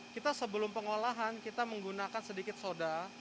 kita sebelum pengolahan kita menggunakan sedikit soda